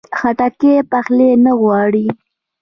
خټکی پخلی نه غواړي.